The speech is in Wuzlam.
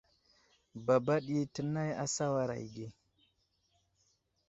Baba ɗi tənay a sawaray age.